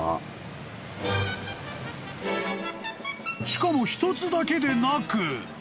［しかも１つだけでなく］